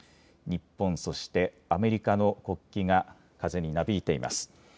日本、そしてアメリカの国旗が風になびいています。